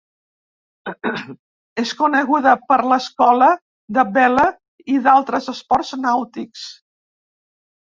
És coneguda per l’escola de vela i d’altres esports nàutics.